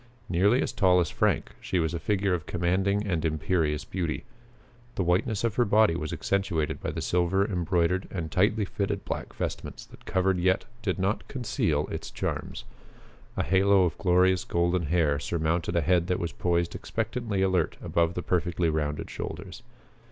Nearly as tall as Frank, she was a figure of commanding and imperious beauty. The whiteness of her body was accentuated by the silver embroidered and tightly fitted black vestments that covered yet did not conceal its charms. A halo of glorious golden hair surmounted a head that was poised expectantly alert above the perfectly rounded shoulders.